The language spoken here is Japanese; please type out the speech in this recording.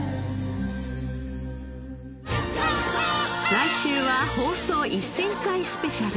来週は放送１０００回スペシャル。